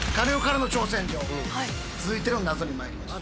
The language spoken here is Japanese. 続いての謎にまいりましょう。